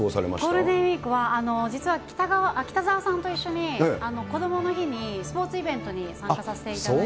ゴールデンウィークは、実は北澤さんと一緒に、こどもの日にスポーツイベントに参加させていただいて。